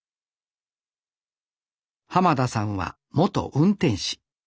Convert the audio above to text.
田さんは元運転士。